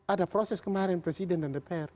ada proses kemarin presiden dan dpr